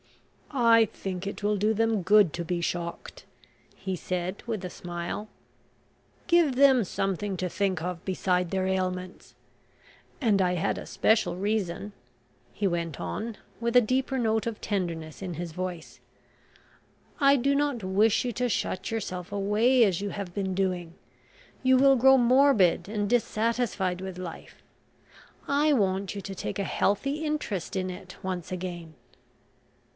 "I think it will do them good to be shocked," he said, with a smile. "Give them something to think of beside their ailments. And I had a special reason," he went on with a deeper note of tenderness in his voice "I do not wish you to shut yourself away as you have been doing. You will grow morbid and dissatisfied with life. I want you to take a healthy interest in it once again."